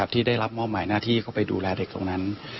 ที่ได้รับมอบหมายหน้าที่เข้าไปดูแลเด็กตรงนั้น